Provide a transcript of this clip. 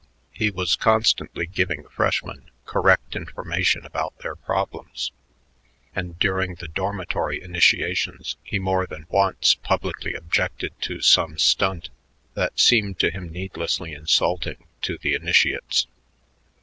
He was constantly giving freshmen correct information about their problems, and during the dormitory initiations he more than once publicly objected to some "stunt" that seemed to him needlessly insulting to the initiates.